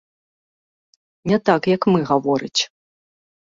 Не так, як мы гаворыць.